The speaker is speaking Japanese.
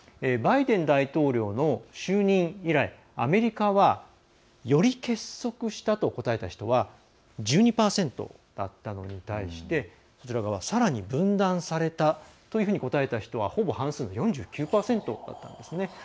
バイデン大統領の就任以来アメリカはより結束したと答えた人は１２％だったのに対してさらに分断されたというふうに答えた人はほぼ半数４９％だったんですね。